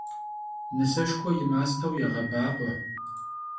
Nıseşşxue yi masteu yêğebakhue.